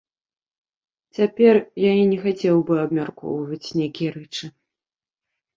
Цяпер я і не хацеў бы абмяркоўваць нейкія рэчы.